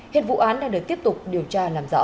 hiện vụ án đang được tiếp tục điều tra làm rõ